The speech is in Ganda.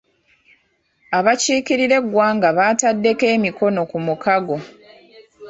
Abakiikirira eggwanga baataddeko emikono ku mukago.